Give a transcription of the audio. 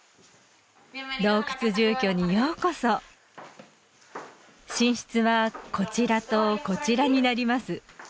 洞窟住居にようこそ寝室はこちらとこちらになります